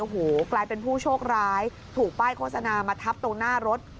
โอ้โหกลายเป็นผู้โชคร้ายถูกป้ายโฆษณามาทับตรงหน้ารถ